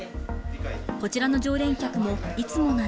こちらの常連客も、いつもなら。